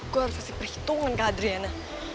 gue harus kasih perhitungan kak adriana